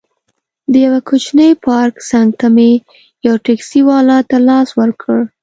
د یوه کوچني پارک څنګ ته مې یو ټکسي والا ته لاس ورکړ.